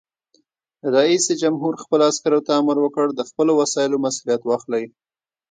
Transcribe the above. رئیس جمهور خپلو عسکرو ته امر وکړ؛ د خپلو وسایلو مسؤلیت واخلئ!